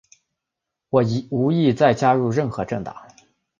我无意再加入任何政党。